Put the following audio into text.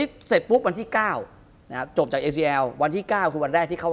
คุณผู้ชมบางท่าอาจจะไม่เข้าใจที่พิเตียร์สาร